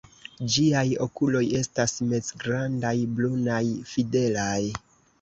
Ĝiaj okuloj estas mezgrandaj, brunaj, fidelaj.